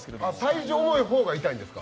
体重重い方が痛いんですか？